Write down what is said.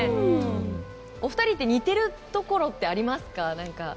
お二人で似てるところってありますか？